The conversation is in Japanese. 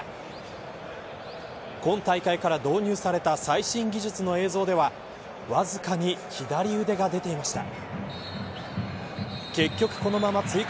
今大会から導入された最新技術の映像ではわずかに左腕が出ていました。